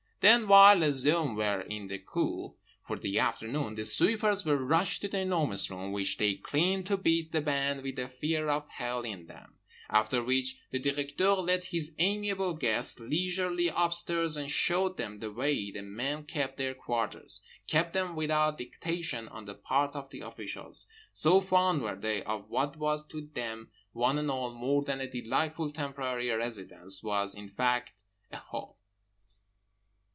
Then, while les hommes were in the cour for the afternoon, the sweepers were rushed to The Enormous Room, which they cleaned to beat the band with the fear of Hell in them; after which, the Directeur led his amiable guests leisurely upstairs and showed them the way the men kept their quarters; kept them without dictation on the part of the officials, so fond were they of what was to them one and all more than a delightful temporary residence—was in fact a home.